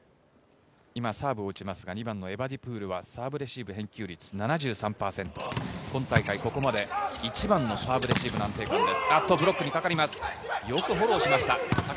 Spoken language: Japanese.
今、サーブを打ちますが２番のエバディプールはサーブレシーブ返球率７３％、今大会ここまで一番のサーブレシーブの安定感です。